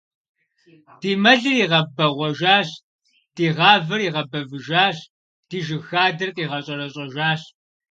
Ди мэлыр игъэбэгъуэжащ, ди гъавэр игъэбэвыжащ, ди жыг хадэр къигъэщӀэрэщӀэжащ!